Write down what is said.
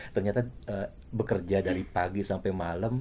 ternyata bekerja dari pagi sampai malam